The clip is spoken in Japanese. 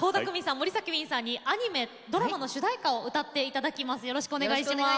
ＭＯＲＩＳＡＫＩＷＩＮさんにアニメ、ドラマの主題歌を歌っていただきます。